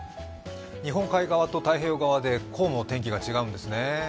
日本海側と太平洋側でこうも天気が違うんですね。